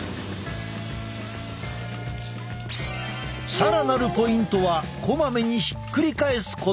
更なるポイントはこまめにひっくり返すこと。